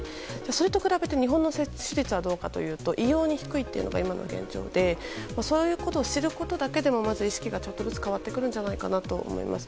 それと比べて日本の接種率はどうかというと異様に低いのが今の現状でそういうことを知ることだけでも意識がちょっとずつ変わってくるんじゃないかなと思います。